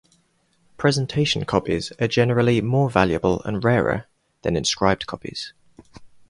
Presentation copies are generally more valuable and rarer than inscribed copies.